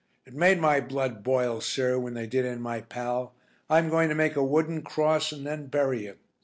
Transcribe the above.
It made my blood boil, sir, when they did in my pal. I'm going to make a wooden cross, and then bury him.